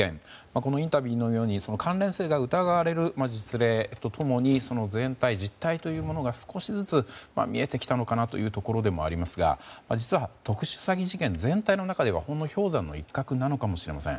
このインタビューのように関連性が疑われる実例と共に全体、実態というものが少しずつ見えてきたのかなというところでもありますが実は特殊詐欺事件全体の中ではほんの氷山の一角なのかもしれません。